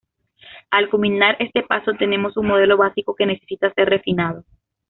Al culminar este paso tenemos un modelo básico que necesita ser refinado.